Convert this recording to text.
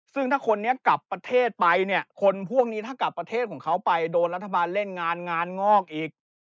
ซึ่งถ้าคนนี้กลับประเทศไปเนี่ยคนพวกนี้ถ้ากลับประเทศของเขาไปโดนรัฐบาลเล่นงานงานงอกอีก